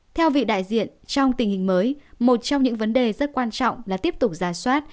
theo vị đại diện trong tình hình mới một trong những vấn đề rất quan trọng là tiếp tục giả soát